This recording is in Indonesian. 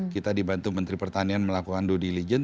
kita dibantu menteri pertanian melakukan due diligence